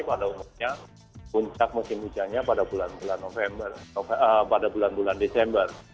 pada umumnya puncak musim hujannya pada bulan bulan desember